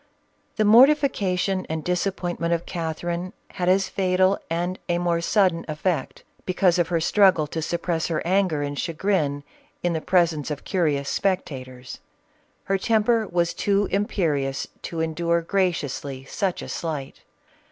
The mortification and disappointment of Catherine, had as fatal and a more sudden effect, because of her struggle to suppress her anger and chagrin in the pres ence of curious spectators. Her temper was too im perious to endure graciously such a slight.